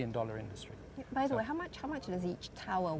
ini industri yang berharga sejuta dolar